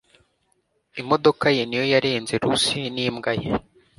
Imodoka ye niyo yarenze Lucy n'imbwa ye